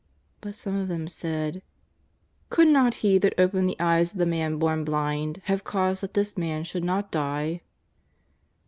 But some of them said :" Could not He that opened the eyes of the man born blind have caused that this man should not die